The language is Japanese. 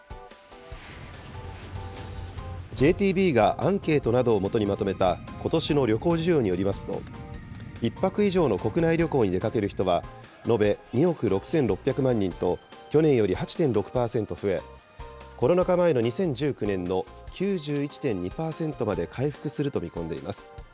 ＪＴＢがアンケートなどを基にまとめた、ことしの旅行需要によりますと、１泊以上の国内旅行に出かける人は、延べ２億６６００万人と、去年より８．６％増え、コロナ禍前の２０１９年の９１．２％まで回復すると見込んでいます。